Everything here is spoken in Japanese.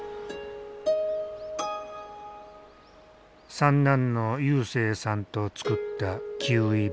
三男の勇征さんと作ったキウイ畑。